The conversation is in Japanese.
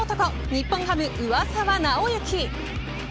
日本ハム、上沢直之。